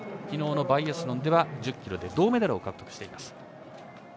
昨日のバイアスロンでは１０ｋｍで銅メダル獲得してます。